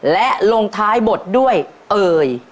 และลงท้ายบทด้วยเอ่ย